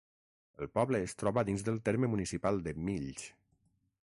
El poble es troba dins del terme municipal de Mills.